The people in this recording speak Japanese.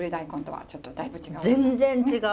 全然違う。